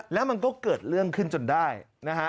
แล้วมันก็เกิดเรื่องขึ้นจนได้นะฮะ